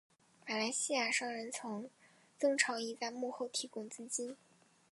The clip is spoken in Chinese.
马来西亚商人曾长义在幕后提供资金。